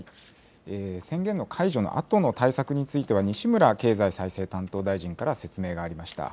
宣言の解除のあとの対策については、西村経済再生担当大臣から説明がありました。